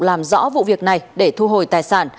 làm rõ vụ việc này để thu hồi tài sản